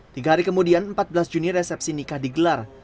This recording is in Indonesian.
tiga hari kemudian empat belas juni resepsi nikah digelar